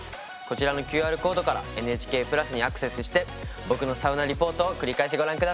こちらのＱＲコードから「ＮＨＫプラス」にアクセスして僕のサウナリポートを繰り返しご覧下さい。